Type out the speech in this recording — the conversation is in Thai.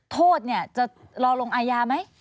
โทษเนี่ยจะรอลงอายาไหม